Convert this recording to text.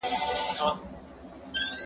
د شرابو پلورل هیڅکله نه رخصتیږي.